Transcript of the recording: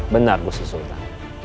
benar mu se sultan